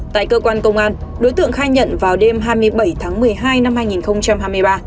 tại cơ quan công an đối tượng khai nhận vào đêm hai mươi bảy tháng một mươi hai năm hai nghìn hai mươi ba